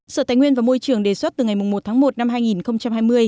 sở tài nguyên và môi trường đề xuất từ ngày một tháng một năm hai nghìn hai mươi